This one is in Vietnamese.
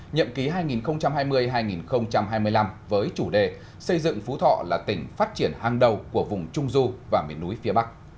nhậm ký hai nghìn hai mươi hai nghìn hai mươi năm với chủ đề xây dựng phú thọ là tỉnh phát triển hàng đầu của vùng trung du và miền núi phía bắc